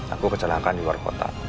aku kecelakaan di luar kota